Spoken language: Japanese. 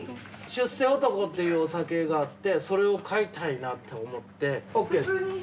出世男っていうお酒があってそれを買いたいなって思って。